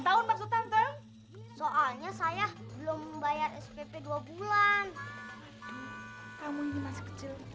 tahun maksud kami soalnya saya belum bayar spp dua bulan kamu ini masih kecil